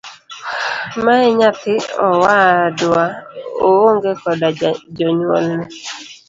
Mae nyathi owadwa oong'e koda jonyuolne.